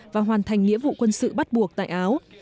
và hoàn thành nghĩa vụ quân sự bắt buộc tại áo